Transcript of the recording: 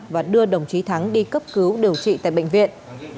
và đưa đồng chí thắng đi cấp cứu điều trị tại bệnh viện